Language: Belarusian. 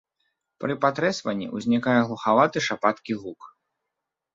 Пры патрэсванні ўзнікае глухаваты шапаткі гук.